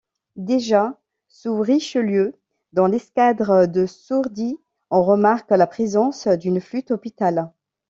Déjà sous Richelieu, dans l’escadre de Sourdis, on remarque la présence d’une flûte-hôpital.